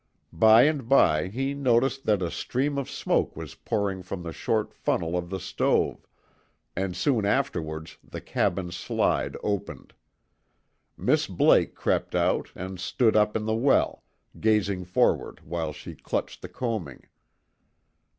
By and by he noticed that a stream of smoke was pouring from the short funnel of the stove, and soon afterwards the cabin slide opened. Miss Blake crept out and stood up in the well, gazing forward while she clutched the coaming.